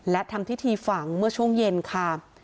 และทำพิธีฝังเมื่อช่วงเย็นค่ะ